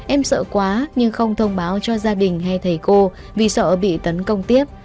em sợ quá nhưng không thông báo cho gia đình hay thầy cô vì sợ bị tấn công tiếp